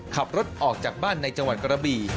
ขับรถออกจากบ้านในจังหวัดกระบี่